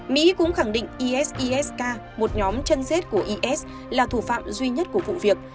mỹ cũng khẳng định isis k một nhóm chân dết của is là thủ phạm duy nhất của vụ việc